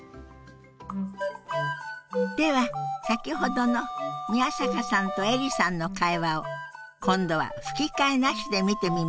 では先ほどの宮坂さんとエリさんの会話を今度は吹き替えなしで見てみましょう。